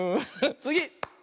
つぎ！